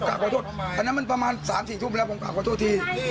ผมกล่าวขอโทษคนนั้นประมาณ๓๔ทุ่มแล้วต้องขอโทษที